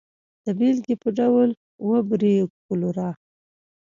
د بېلګې په ډول وبریو کولرا.